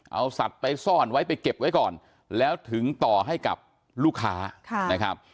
เอาสัตว์ไปซ่อนไว้ไปเก็บไว้ก่อนแล้วถึงต่อให้กับลูกค้านะครับ